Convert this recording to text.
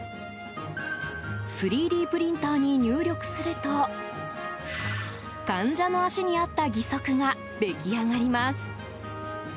３Ｄプリンターに入力すると患者の足に合った義足が出来上がります。